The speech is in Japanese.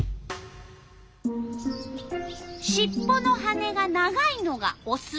しっぽの羽が長いのがオス。